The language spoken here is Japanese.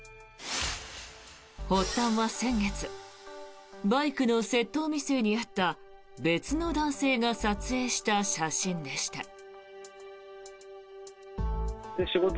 発端は先月バイクの窃盗未遂に遭った別の男性が撮影した写真でした。